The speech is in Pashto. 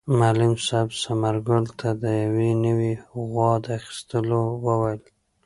معلم صاحب ثمر ګل ته د یوې نوې غوا د اخیستلو وویل.